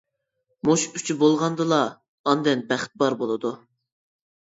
مۇشۇ ئۈچى بولغاندىلا ئاندىن بەخت بار بولىدۇ.